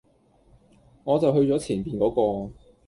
我就去左前面果個